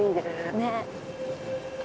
ねっ。